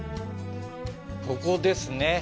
ここですね。